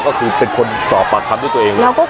ก็คือเป็นคนสอบปากคำด้วยตัวเองเลย